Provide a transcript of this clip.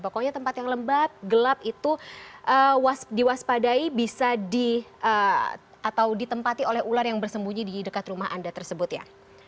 pokoknya tempat yang lembab gelap itu diwaspadai bisa atau ditempati oleh ular yang bersembunyi di dekat rumah anda tersebut ya